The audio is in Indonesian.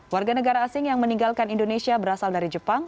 warga negara asing yang meninggalkan indonesia berasal dari jepang